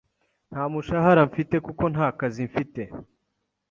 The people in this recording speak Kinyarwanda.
Nta mushahara mfite kuko nta kazi mfite.